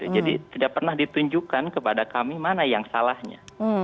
jadi tidak pernah ditunjukkan kepada kami mana yang salahnya